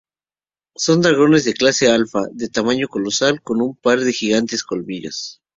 Son dragones de clase Alfa, de tamaño colosal, con un par de gigantes colmillos.